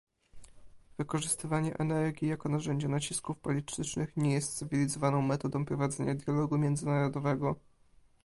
Wykorzystywanie energii jako narzędzia nacisków politycznych nie jest cywilizowaną metodą prowadzenia dialogu międzynarodowego